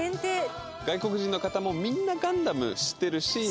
外国人の方も、みんなガンダム知ってるし。